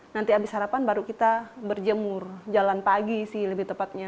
nanti habis sarapan baru kita berjemur jalan pagi sih lebih tepatnya